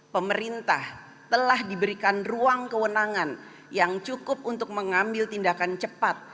pemerintah telah diberikan ruang kewenangan yang cukup untuk mengambil tindakan cepat